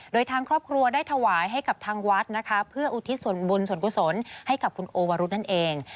โดยทางครอบครัวได้ถวายให้กับทางวัดนะคะเพื่ออุทิศส่วนบุญส่วนกุศลให้กับคุณโอวรุธนั่นเอง